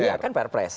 iya kan perpres